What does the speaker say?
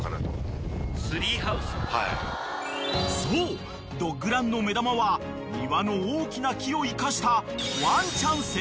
［そうドッグランの目玉は庭の大きな木を生かした］